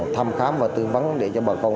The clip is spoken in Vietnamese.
thăm khám và tư vấn để cho bà con